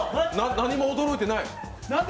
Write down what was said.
何も驚いてない。